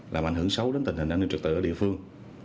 làm ảnh hưởng xấu đến tình hình an ninh trực tự ở địa phương